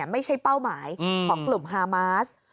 เป้าหมายของกลุ่มฮามาส